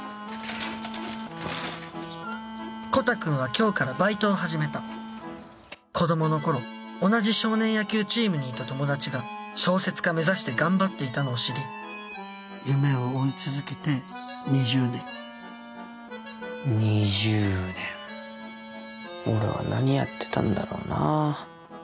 コタくんは今日からバイトを始めた子供の頃同じ少年野球チームにいた友達が小説家目指して頑張っていたのを知り夢を追い続けて２０年２０年俺は何やってたんだろうなぁ